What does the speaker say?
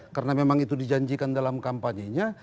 karena memang itu dijanjikan dalam kampanye nya